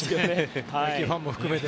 野球ファンも含めて。